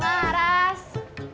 tepat banget kak